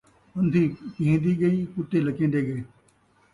اندھی پینہدی ڳئی، کتے لَکیندے ڳئے